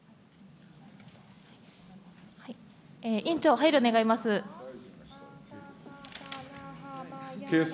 委員長、配慮願います。